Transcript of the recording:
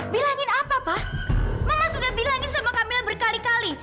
bilangin apa pak mama sudah bilangin sama kamil berkali kali